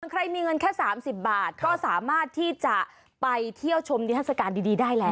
ใครมีเงินแค่๓๐บาทก็สามารถที่จะไปเที่ยวชมนิทัศกาลดีได้แล้ว